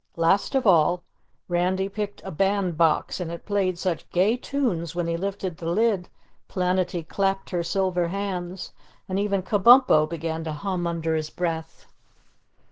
Last of all, Randy picked a Band Box and it played such gay tunes when he lifted the lid, Planetty clapped her silver hands, and even Kabumpo began to hum under his breath.